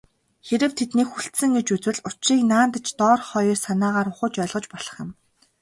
Хэрэв тэднийг хүлцсэн гэж үзвэл, учрыг наанадаж доорх хоёр санаагаар ухаж ойлгож болох юм.